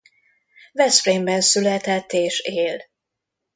Veszprémben született és él.